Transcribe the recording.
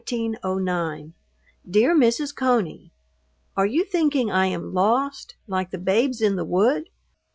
_ DEAR MRS. CONEY, Are you thinking I am lost, like the Babes in the Wood?